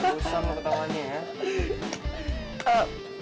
busa sama ketawanya ya